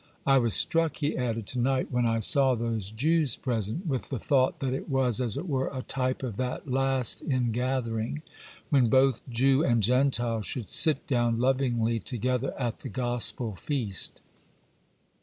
I was struck,' he added, 'to night, when I saw those Jews present, with the thought that it was, as it were, a type of that last ingathering, when both Jew and Gentile should sit down lovingly together at the gospel feast.